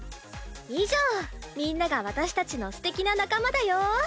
以上みんなが私たちのすてきな仲間だよ。